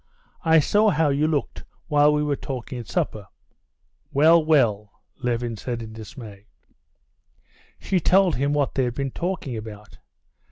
"I saw how you looked while we were talking at supper." "Well, well!" Levin said in dismay. She told him what they had been talking about.